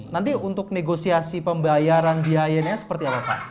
nanti untuk negosiasi pembayaran biayanya seperti apa pak